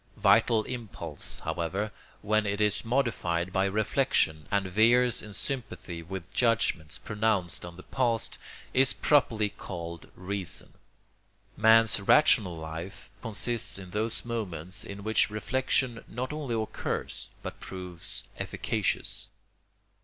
Vital impulse, however, when it is modified by reflection and veers in sympathy with judgments pronounced on the past, is properly called reason. Man's rational life consists in those moments in which reflection not only occurs but proves efficacious.